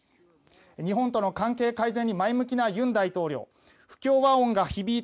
日本との関係改善に前向きな尹大統領。